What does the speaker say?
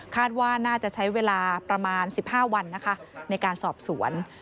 ว่าน่าจะใช้เวลาประมาณ๑๕วันนะคะในการสอบสวน